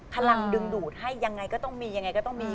พลังดึงดูดให้ยังไงก็ต้องมี